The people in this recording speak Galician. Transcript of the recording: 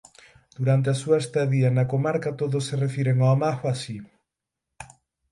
Durante a súa estadía na Comarca todos se refiren ó Mago así.